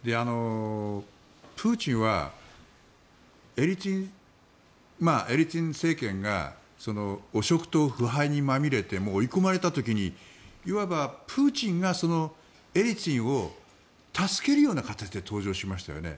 プーチンはエリツィン政権が汚職と腐敗にまみれて追い込まれた時にいわばプーチンがエリツィンを助けるような形で登場しましたよね。